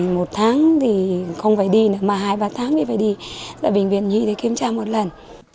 một tháng thì không phải đi nữa mà hai ba tháng thì phải đi tại bệnh viện nhi để kiểm tra một lần